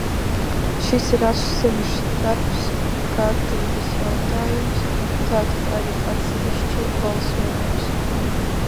Šis ir atsevišķs darba kārtības jautājums, tātad arī atsevišķi balsojams.